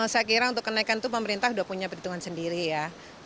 saya kira untuk kenaikan itu pemerintah sudah punya perhitungan sendiri ya